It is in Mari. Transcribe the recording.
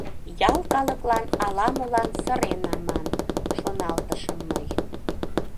«Ял калыклан ала-молан сырен аман», — шоналтышым мый.